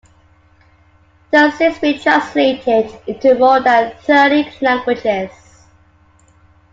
It has since been translated into more than thirty languages.